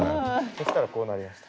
そしたらこうなりました。